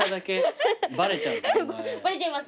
バレちゃいます？